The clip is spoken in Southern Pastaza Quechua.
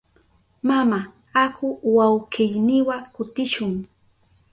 Mama, aku wawkiyniwa kutishun.